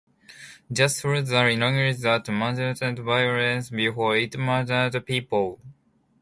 Just through the language that murdered violence before it murdered people!